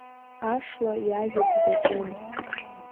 Ашла иажәабжь даҿын…